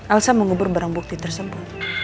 elsa mengubur barang bukti tersebut